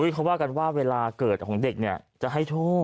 เขาว่ากันว่าเวลาเกิดของเด็กเนี่ยจะให้โชค